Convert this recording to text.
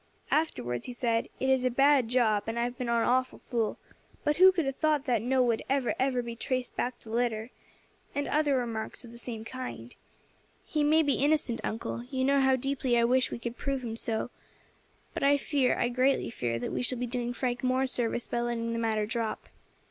Afterwards he said, 'It is a bad job, and I have been an awful fool. But who could have thought that note would ever be traced back to Litter?' and other remarks of the same kind. He may be innocent, uncle you know how deeply I wish we could prove him so but I fear, I greatly fear, that we shall be doing Frank more service by letting the matter drop.